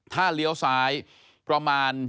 ถ้าเลี้ยวซ้ายประมาณ